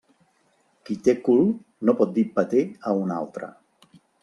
Qui té cul no pot dir peter a un altre.